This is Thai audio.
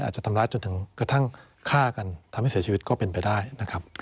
อาจจะทำร้ายจนถึงกระทั่งฆ่ากันทำให้เสียชีวิตก็เป็นไปได้นะครับ